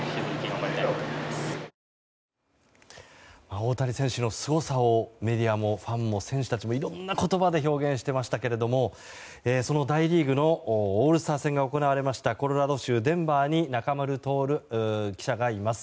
大谷選手のすごさをメディアもファンも選手たちもいろんな言葉で表現していましたけれどもその大リーグのオールスター戦が行われましたコロラド州デンバーに中丸徹記者がいます。